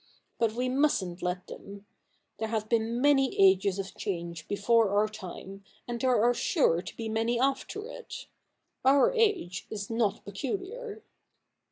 But we mustn't let them. There have been many ages of change before our time and there are sure to be many after it. Our age is not peculiar.'